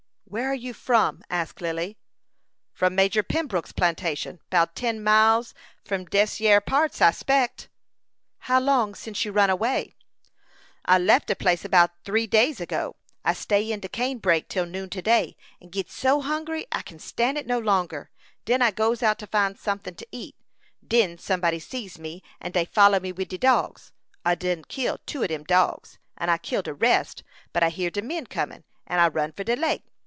"Where are you from?" asked Lily. "From Major Pembroke's plantation, 'bout ten mile from dese yere parts, I speck." "How long since you run away?" "I luff de place about tree days ago. I stay in de cane brake till noon to day, and git so hungry I could stan it no longer. Den I goes out to find someting to eat. Den somebody sees me, and dey follow me wid de dogs. I done kill two of dem dogs, and I kill de rest, but I hear de men coming, and I run for de lake.